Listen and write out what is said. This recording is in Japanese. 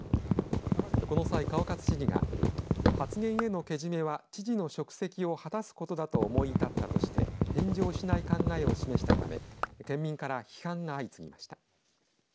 この際、川勝知事が発言へのけじめは知事の職責を果たすことだと思い至ったとして返上しない考えを示したため県民から批判が相次ぎました。